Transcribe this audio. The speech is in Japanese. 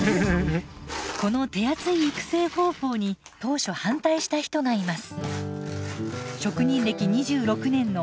この手厚い育成方法に当初反対した人がいます。